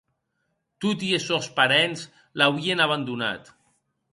Toti es sòns parents l’auien abandonat.